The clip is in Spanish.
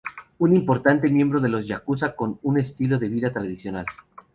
Un importante miembro de los yakuza con un estilo de vida tradicional.